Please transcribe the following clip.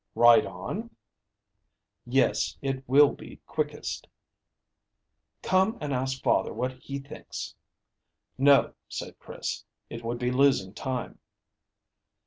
"Ride on?" "Yes; it will be quickest." "Come and ask father what he thinks." "No," said Chris; "it would be losing time."